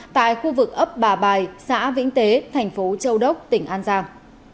tại khu vực ấp bà bài xã vĩnh tế thành phố châu đốc tỉnh an giang